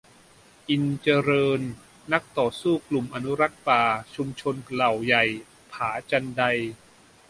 อินทร์เจริญ นักต่อสู้กลุ่มอนุรักษ์ป่าชุมชนเหล่าใหญ่-ผาจันได